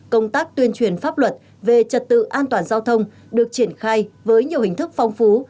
công tác tuyên truyền pháp luật về trật tự an toàn giao thông được triển khai với nhiều hình thức phong phú